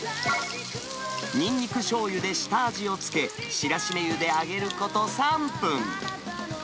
ニンニクしょうゆで下味を付け、白絞油で揚げること３分。